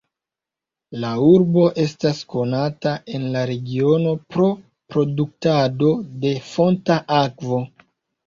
La urbo estas konata en la regiono pro produktado de fonta akvo.